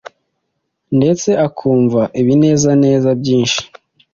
ndetse akumva ibinezaneza byinshi